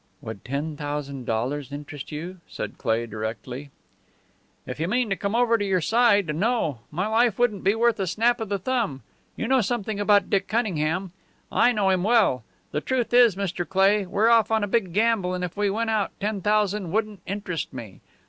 "Would ten thousand dollars interest you?" said Cleigh, directly. "If you mean to come over to your side, no. My life wouldn't be worth a snap of the thumb. You know something about Dick Cunningham. I know him well. The truth is, Mr. Cleigh, we're off on a big gamble, and if we win out ten thousand wouldn't interest me.